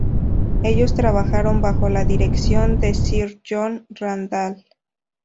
Ellos trabajaron bajo la dirección de Sir John Randall.